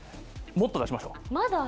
もっと出しましょう。